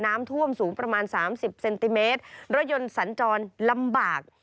น้ำท่วมสูงประมาณสามสิบเซนติเมตรรถยนต์สันจรลำบาก